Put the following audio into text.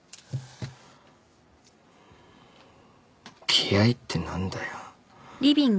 気合って何だよ。